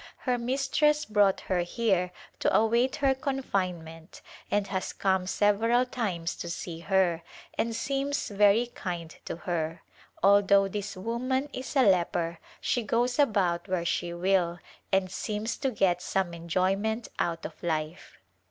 Her mistress brought her here to await her confine ment and has come several times to see her, and seems very kind to her. Although this woman is a leper she goes about where she will and seems to get some enjoyment out of life.